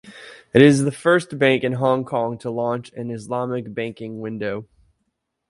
It is the first bank in Hong Kong to launch an Islamic banking window.